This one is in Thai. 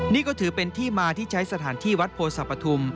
นี่ก็ถือเป็นที่มาที่ใช้สถานที่วัดโพศปฐุม